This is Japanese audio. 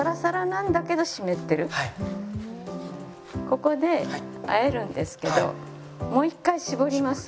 ここであえるんですけどもう１回絞ります。